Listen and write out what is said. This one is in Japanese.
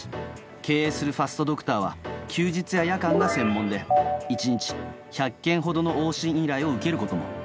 経営するファストドクターは休日や夜間が専門で１日１００件ほどの往診依頼を受けることも。